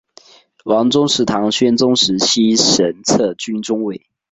王宗实唐宣宗时期神策军中尉。